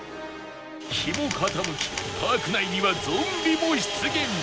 日も傾きパーク内にはゾンビも出現